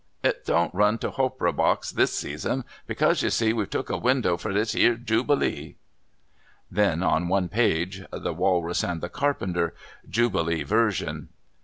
It don't run to Hopera Box this Season, because, you see, we've took a Window for this 'ere Jubilee. Then, on one page, "The Walrus and the Carpenter: Jubilee Version."